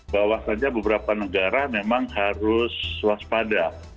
bahwasannya beberapa negara memang harus waspada